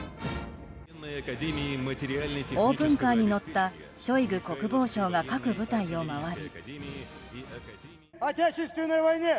オープンカーに乗ったショイグ国防相が各部隊を回り。